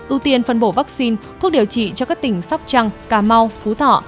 ưu tiên phân bổ vaccine thuốc điều trị cho các tỉnh sóc trăng cà mau phú thọ